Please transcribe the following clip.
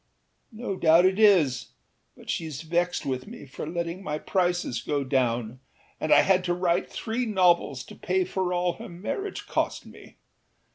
â No doubt it is, but sheâs vexed with me for letting my prices go down; and I had to write three novels to pay for all her marriage cost me.